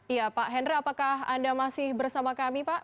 iya pak hendra apakah anda masih bersama kami pak